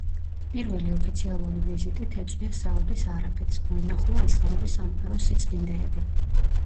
პირველი ოფიციალური ვიზიტით ეწვია საუდის არაბეთს, მოინახულა ისლამური სამყაროს სიწმინდეები.